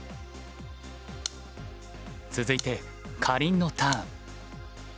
続いてかりんのターン。